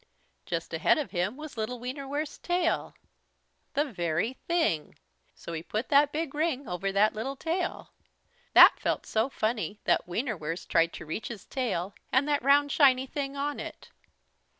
Just ahead of him was little Wienerwurst's tail. The very thing! So he put that big ring over that little tail. That felt so funny that Wienerwurst tried to reach his tail and that round shiny thing on it.